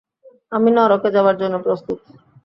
আমি নরকে যাবার জন্য প্রস্তুত।